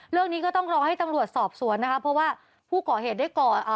เรื่องนี้ก็ต้องรอให้ตำรวจสอบสวนนะคะเพราะว่าผู้ก่อเหตุได้ก่ออ่า